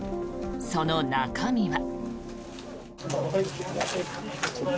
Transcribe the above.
その中身は。